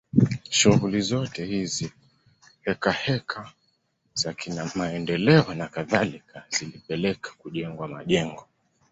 Shughuli zote hizi hekaheka za kimaendeleo na kadhalika zilipelekea kujengwa majengo